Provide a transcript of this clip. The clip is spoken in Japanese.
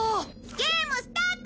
ゲームスタート！